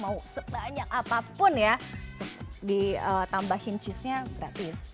mau sebanyak apapun ya ditambahin cheese nya gratis